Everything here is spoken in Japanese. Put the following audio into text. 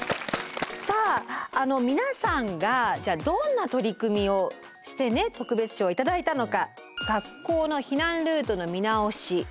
さあ皆さんがどんな取り組みをしてね特別賞を頂いたのか。